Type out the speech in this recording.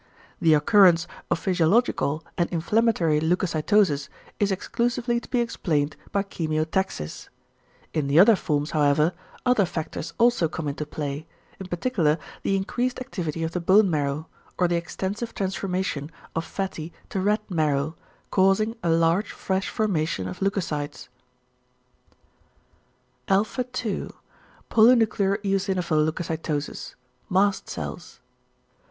The occurrence of physiological and inflammatory leucocytosis is exclusively to be explained by chemiotaxis. In the other forms, however, other factors also come into play, in particular the increased activity of the bone marrow, or the extensive transformation of fatty to red marrow, causing a large fresh formation of leucocytes. [alpha] 2. ~Polynuclear eosinophil leucocytosis. Mast cells.